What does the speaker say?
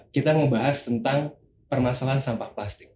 kita mau bahas tentang permasalahan sampah plastik